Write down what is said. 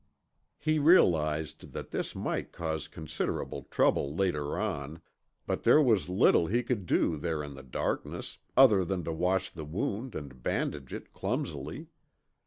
He realized that this might cause considerable trouble later on, but there was little he could do there in the darkness, other than to wash the wound and bandage it clumsily.